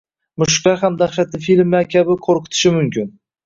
Mushuklar ham dahshatli filmlar kabi qo‘rqitishi mumkin